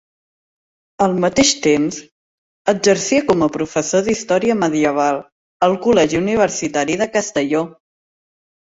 Al mateix temps, exercia com a professor d'Història Medieval al Col·legi Universitari de Castelló.